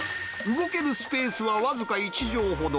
動けるスペースは僅か１畳ほど。